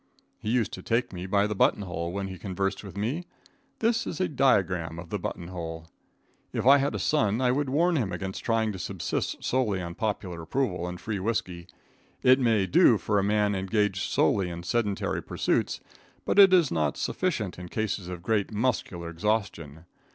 He used to take me by the buttonhole when he conversed with me. This is a diagram of the buttonhole. If I had a son I would warn him against trying to subsist solely on popular approval and free whiskey. It may do for a man engaged solely in sedentary pursuits, but it is not sufficient in cases of great muscular exhaustion.